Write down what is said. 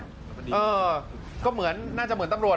เออก็เหมือนน่าจะเหมือนตำรวจ